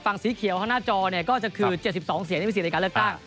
สีเขียวข้างหน้าจอเนี่ยก็คือ๗๒เสียงที่มีสิทธิในการเลือกตั้ง